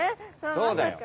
そうだね。